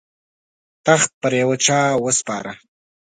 تخت پر یوه چا وسپاره.